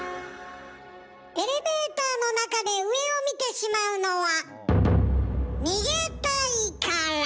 エレベーターの中で上を見てしまうのは逃げたいから。